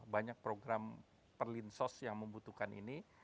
banyak program perlinsos yang membutuhkan ini